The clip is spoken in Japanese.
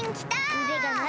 うでがなる！